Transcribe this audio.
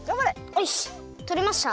よしとれました。